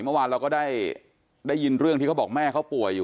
เมื่อวานเราก็ได้ยินเรื่องที่เขาบอกแม่เขาป่วยอยู่